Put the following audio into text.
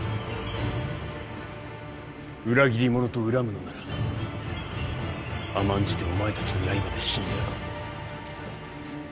裏切り者と怨むのなら甘んじてお前たちの刃で死んでやろう。